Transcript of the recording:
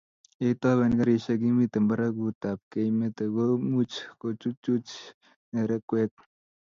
ye itoben karisiek imite barakutab keimete ko much ku chuchuch nerekwek